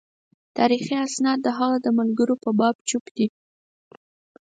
تاریخي اسناد د هغه د ملګرو په باب چوپ دي.